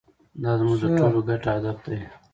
دا زموږ د ټولو ګډ هدف دی.